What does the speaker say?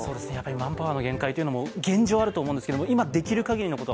マンパワーの限界というのもあると思いますが今、できるかぎりのこと